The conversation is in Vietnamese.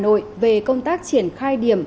hà nội về công tác triển khai điểm